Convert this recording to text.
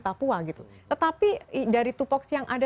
papua gitu tetapi dari tupoksi yang ada